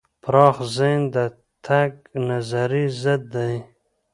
پراخ ذهن د تنگ نظرۍ ضد دی.